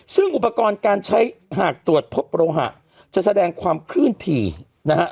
ซึ่งอุปกรณ์การใช้หากตรวจพบโลหะจะแสดงความคลื่นถี่นะฮะ